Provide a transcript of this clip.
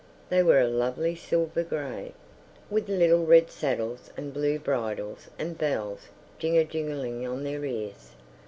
They were a lovely silver grey, with little red saddles and blue bridles and bells jing a jingling on their ears.